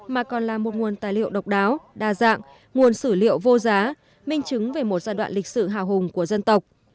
mà còn là một nguồn tài liệu độc đáo đa dạng nguồn sử liệu vô giá minh chứng về một giai đoạn lịch sử hào hùng của dân tộc